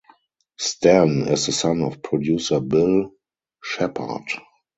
Stan is the son of producer Bill Sheppard.